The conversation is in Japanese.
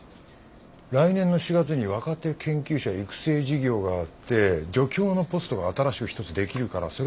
来年の４月に若手研究者育成事業があって助教のポストが新しく１つ出来るからそれを彼女に用意する。